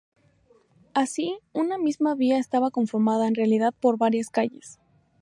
Así, una misma vía estaba conformada en realidad por varias calles.